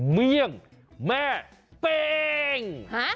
เมี่ยงแม่เป้ง